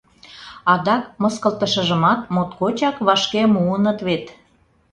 Адак мыскылтышыжымат моткочак вашке муыныт вет.